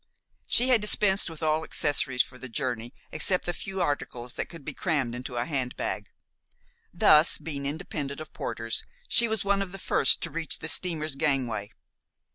She had dispensed with all accessories for the journey, except the few articles that could be crammed into a handbag. Thus, being independent of porters, she was one of the first to reach the steamer's gangway.